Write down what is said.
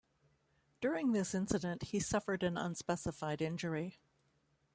During this incident, he suffered an unspecified injury.